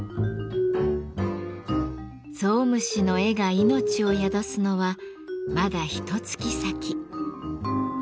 ゾウムシの絵が命を宿すのはまだひとつき先。